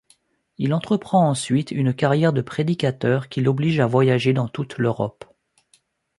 Il entreprend ensuite une carrière de prédicateur qui l’oblige à voyager dans toute l’Europe.